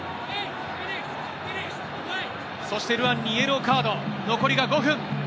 そしてルアンにイエローカード、残りが５分。